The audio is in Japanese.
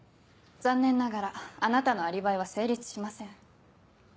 残念ながらあなたのアリバイは成立しません。